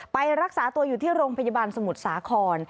ไปรักษาตัวอยู่ที่โรงพยาบาลสมุทรสาคร